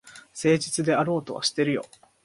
誠実であろうとはしてるよ。